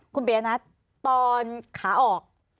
คุณปียนัทตอนขาออก